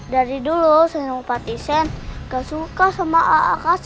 dari dulu senopati sen tidak suka dengan aaks